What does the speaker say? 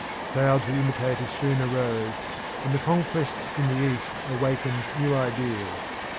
Crowds of imitators soon arose, and the conquests in the East awakened new ideas.